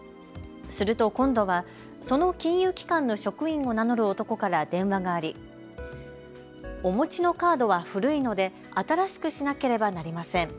すると今度はその金融機関の職員を名乗る男から電話がありお持ちのカードは古いので新しくしなければなりません。